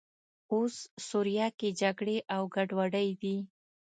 اوس سوریه کې جګړې او ګډوډۍ دي.